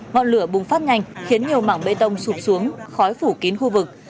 ngọn lửa bùng phát nhanh khiến nhiều mảng bê tông sụp xuống khói phủ kín khu vực